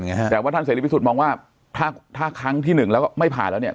เพราะว่าท่านเศรษฐวิทยุสูตรมองว่าถ้าครั้งที่หนึ่งไม่ผ่านแล้วเนี่ย